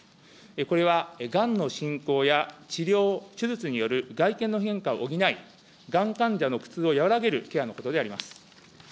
これはがんの進行や治療、手術による外見の変化を補い、がん患者の苦痛を和らげるケアのことであります。